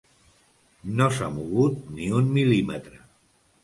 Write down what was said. No s’ha mogut ni un mil·límetre.